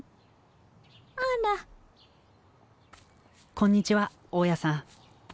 こんにちは大家さん。